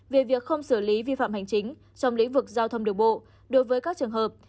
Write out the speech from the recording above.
về việc không xử lý vi phạm hành chính trong lĩnh vực giao thông đường bộ đối với các trường hợp